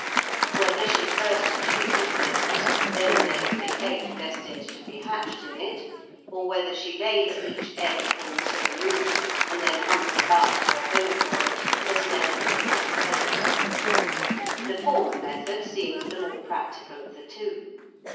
Whether she first chooses the nest and then lays the egg destined to be hatched in it, or whether she lays each egg when so moved and then hunts about for a home for it, has never been ascertained. The former method seems the more practical of the two.